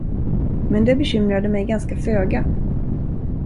Men det bekymrade mig ganska föga.